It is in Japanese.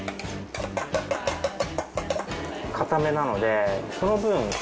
硬めなのでその分。